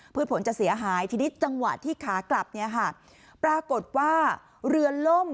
ผลจะเสียหายทีนี้จังหวะที่ขากลับเนี่ยค่ะปรากฏว่าเรือล่ม